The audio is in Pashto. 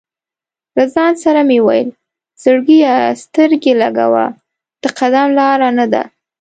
له ځان سره مې ویل: "زړګیه سترګې لګوه، د قدم لاره نه ده".